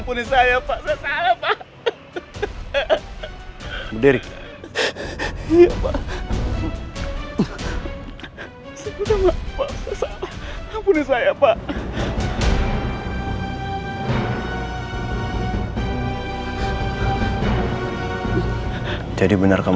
berbicara peran pasangan dengan hitam